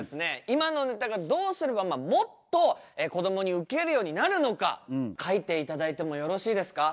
今のネタがどうすればもっとこどもにウケるようになるのか書いて頂いてもよろしいですか？